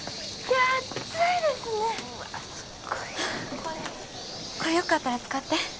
これよかったら使って